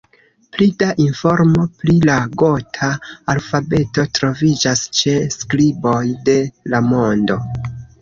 Pli da informo pri la gota alfabeto troviĝas ĉe Skriboj de la Mondo.